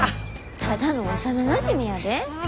ただの幼なじみやで。